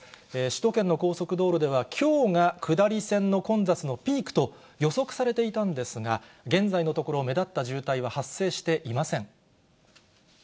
首都圏の高速道路では、きょうが下り線の混雑のピークと予測されていたんですが、現在のところ、目立った渋滞は発生していません。